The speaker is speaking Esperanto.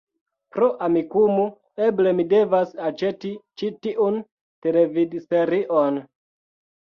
Pro Amikumu, eble mi devas aĉeti ĉi tiun televidserion